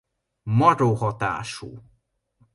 Maró hatású.